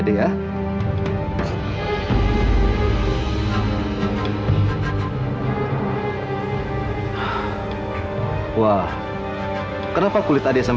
dev narendra silahkan masuk